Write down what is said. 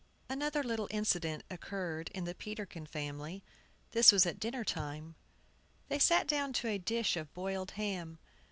ANOTHER little incident occurred in the Peterkin family. This was at dinner time. They sat down to a dish of boiled ham.